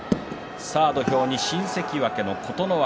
土俵に新関脇の琴ノ若。